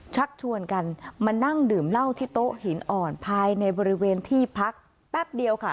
ชักชวนกันมานั่งดื่มเหล้าที่โต๊ะหินอ่อนภายในบริเวณที่พักแป๊บเดียวค่ะ